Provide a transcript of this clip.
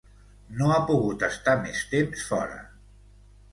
No ha pogut estar més temps fora.